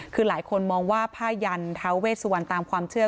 คือหลายคนมองว่าผ้ายันท้าเวสวันตามความเชื่อ